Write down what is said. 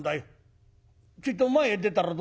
ちょいと前へ出たらどうだ前へ。